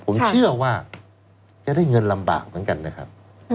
ผมเชื่อว่าจะได้เงินลำบากเหมือนกันนะครับ